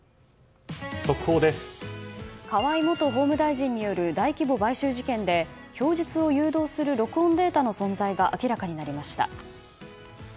河井元法務大臣による大規模買収事件で供述を誘導する録音データの存在が明らかになりました。